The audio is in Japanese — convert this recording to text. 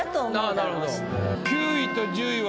なるほど。